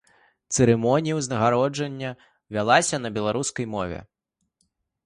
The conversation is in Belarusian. Цырымонія ўзнагароджання вялася на беларускай мове.